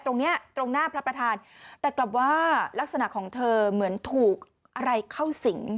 ตรงเนี้ยตรงหน้าพระประธานแต่กลับว่ารักษณะของเธอเหมือนถูกอะไรเข้าสิง